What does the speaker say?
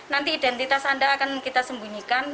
nanti identitas anda akan kita sembunyikan